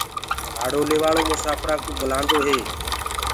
ڀاڙو ليوآݪو مساڦرانٚ ڪو بلانٚدو هي